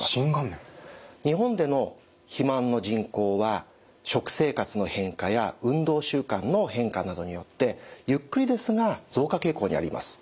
日本での肥満の人口は食生活の変化や運動習慣の変化などによってゆっくりですが増加傾向にあります。